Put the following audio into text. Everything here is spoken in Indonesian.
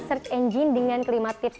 search engine dengan kelima tips